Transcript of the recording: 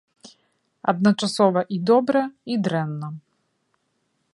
Адначасова і добра, і дрэнна.